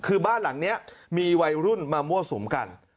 คือบ้านหลังนี้มีวัยรุ่นมามั่วสุมกัน